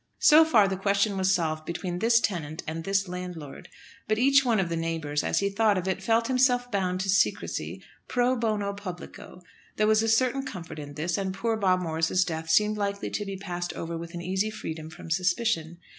So far the question was solved between this tenant and this landlord; but each one of the neighbours, as he thought of it, felt himself bound to secrecy pro bono publico. There was a certain comfort in this, and poor Bob Morris's death seemed likely to be passed over with an easy freedom from suspicion.